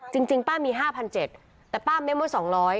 จริงจริงป้ามีห้าพันเจ็ดแต่ป้าไม่เมื่อสองร้อย